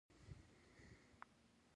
ایا درد بل ځای ته خپریږي؟